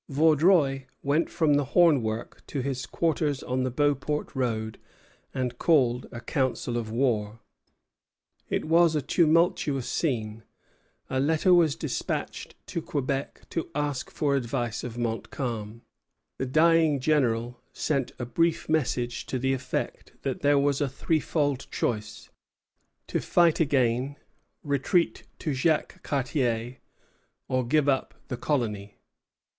Vaudreuil went from the hornwork to his quarters on the Beauport road and called a council of war. It was a tumultuous scene. A letter was despatched to Quebec to ask advice of Montcalm. The dying General sent a brief message to the effect that there was a threefold choice, to fight again, retreat to Jacques Cartier, or give up the colony.